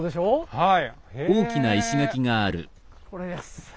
はい。